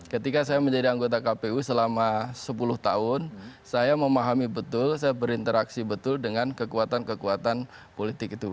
ketika saya menjadi anggota kpu selama sepuluh tahun saya memahami betul saya berinteraksi betul dengan kekuatan kekuatan politik itu